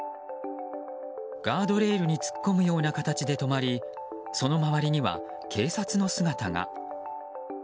ガードレールに突っ込むような形で止まりその周りには警察の姿が。